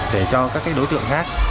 để cho các đối tượng khác